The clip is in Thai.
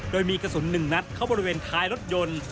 โดยมีกระสุน๑นัดเข้าบริเวณท้ายรถยนต์